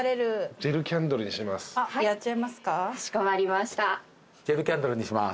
ジェルキャンドルにします。